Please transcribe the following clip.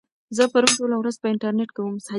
زه پرون ټوله ورځ په انټرنيټ کې وم.